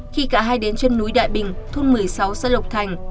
khi cả hai đến trên núi đại bình thôn một mươi sáu xã lộc thành